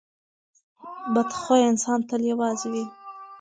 بد خویه انسان تل یوازې وي.